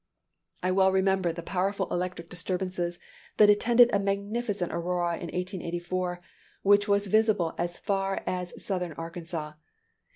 I well remember the powerful electric disturbances that attended a magnificent aurora in 1884, which was visible as far as southern Arkansas.